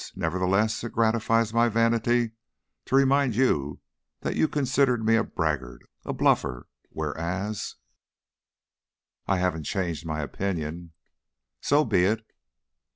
Nevertheless, it gratifies my vanity to remind you that you considered me a braggart, a bluffer, whereas " "I haven't changed my opinion." "So be it.